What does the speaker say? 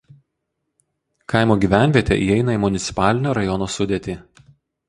Kaimo gyvenvietė įeina į municipalinio rajono sudėtį.